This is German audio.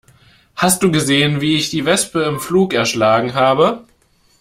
Hast du gesehen, wie ich die Wespe im Flug erschlagen habe?